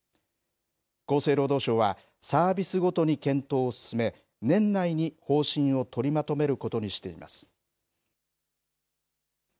厚生労働省は、サービスごとに検討を進め、年内に方針を取りまとめることにしています。